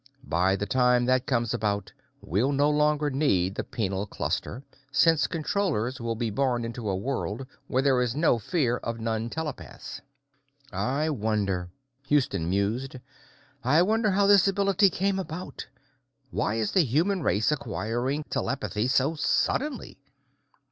"By the time that comes about, we'll no longer need the Penal Cluster, since Controllers will be born into a world where there is no fear of non telepaths." "I wonder," Houston mused, "I wonder how this ability came about. Why is the human race acquiring telepathy so suddenly?"